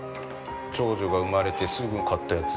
長女が産まれてすぐ買ったやつ。